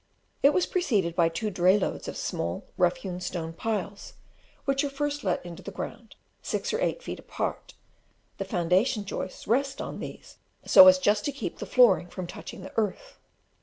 It was preceded by two dray loads of small rough hewn stone piles, which are first let into the ground six or eight feet apart: the foundation joists rest on these, so as just to keep the flooring from touching the earth.